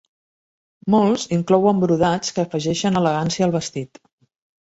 Molts inclouen brodats que afegeixen elegància al vestit.